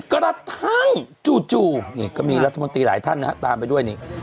กระทั่งจู่นี่ก็มีรัฐมนตรีหลายท่านนะฮะตามไปด้วยนี่